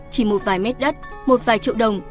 chỉ một vài mét đất một vài triệu đồng